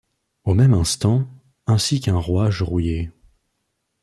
Au même instant. Ainsi qu’un rouage rouillé